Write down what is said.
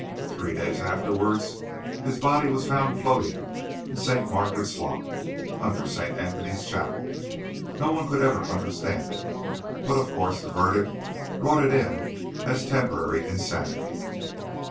Three days afterwards his body was found floating in St. Margaret's Loch, under St. Anthony's Chapel. No one could ever understand it, but of course the verdict brought it in as temporary insanity."